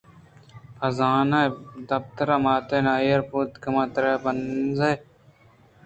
بہ زاں پداترا مات ءَ نہ آئورت کمان ءِ تیر بانزے بُرز ءَ بال اَت